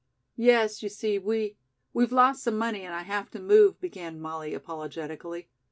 "Yes, you see, we we've lost some money and I have to move," began Molly apologetically.